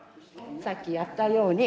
さっきやったように。